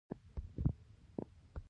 جگر شاوخوا پنځه سوه ډوله انزایم لري.